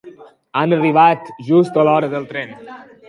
Han arribat just a l'hora del tren.